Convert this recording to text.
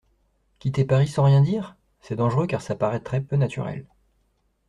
Quitter Paris sans rien dire ? C'est dangereux, car ça paraîtrait peu naturel.